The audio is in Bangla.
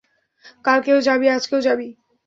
কালকেও যাবি, আজকেও যাবি।